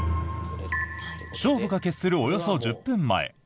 勝負が決するおよそ１０分前。